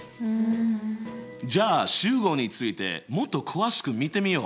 じゃあ集合についてもっと詳しく見てみよう。